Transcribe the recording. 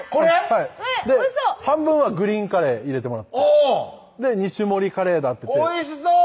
はい半分はグリーンカレー入れてもらって２種盛りカレーだっていっておいしそう！